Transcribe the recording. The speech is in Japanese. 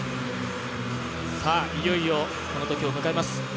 いよいよこのときを迎えます。